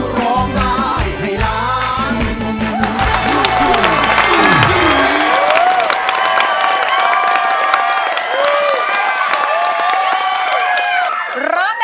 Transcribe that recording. ร้องได้ให้ร้าง